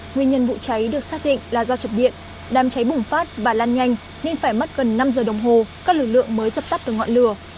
nguyên nhân vụ cháy được xác định là do chập điện đàm cháy bùng phát và lan nhanh nên phải mất gần năm giờ đồng hồ các lực lượng mới dập tắt được ngọn lửa